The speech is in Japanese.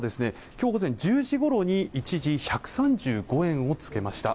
今日午前１０時ごろに一時１３５円をつけました